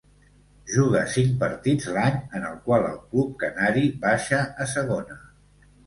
Juga cinc partits l'any en el qual el club canari baixa a Segona.